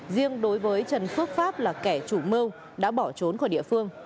riêng đối với trần phước pháp là kẻ chủ mưu đã bỏ trốn khỏi địa phương